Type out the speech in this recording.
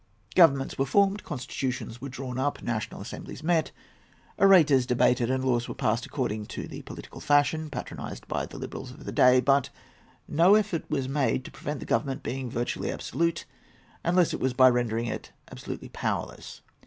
Governments were formed, constitutions were drawn up, national assemblies met, orators debated, and laws were passed according to the political fashion patronised by the liberals of the day. But no effort was made to prevent the Government being virtually absolute, unless it was by rendering it absolutely powerless.